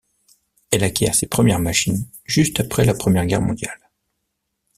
Elle acquiert ses premières machines juste après la Première Guerre mondiale.